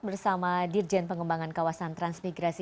bersama dirjen pengembangan kawasan transmigrasi